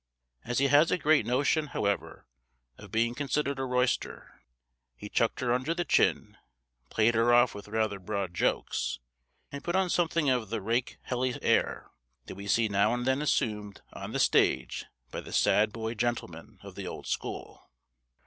As he has a great notion, however, of being considered a roister, he chucked her under the chin, played her off with rather broad jokes, and put on something of the rake helly air, that we see now and then assumed on the stage by the sad boy gentlemen of the old school.